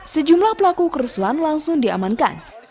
sejumlah pelaku kerusuhan langsung diamankan